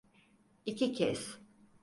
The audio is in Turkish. İki kez.